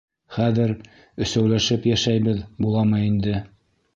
Хәҙер өсәүләшеп йәшәйбеҙ буламы инде?